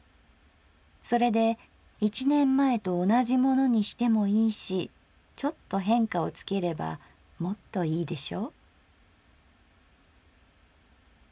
それで一年前と同じものにしてもいいしちょっと変化をつければもっといいでしょ」。